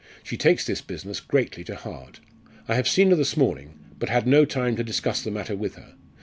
She takes this business greatly to heart. I have seen her this morning, but had no time to discuss the matter with her.